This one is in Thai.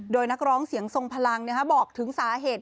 โดยนักร้องเสียงทรงพลังบอกถึงสาเหตุ